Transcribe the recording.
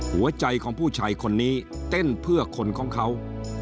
หัวใจของผู้ชายคนนี้เต้นเพื่อคนของเขา